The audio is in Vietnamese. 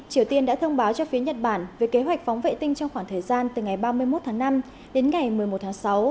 triều tiên đã thông báo cho phía nhật bản về kế hoạch phóng vệ tinh trong khoảng thời gian từ ngày ba mươi một tháng năm đến ngày một mươi một tháng sáu